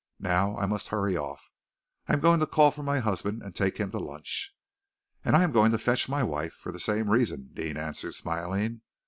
"Now I must hurry off. I am going to call for my husband and take him to lunch." "And I am going to fetch my wife for the same reason," Deane answered, smiling.